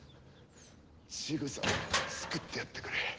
千草を救ってやってくれ。